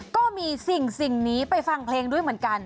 ก็มีสิ่งนี้ไปฟังเพลงด้วยเหมือนกัน